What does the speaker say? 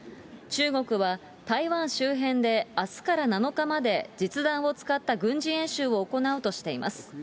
中国は、台湾周辺であすから７日まで実弾を使った軍事演習を行うとしています。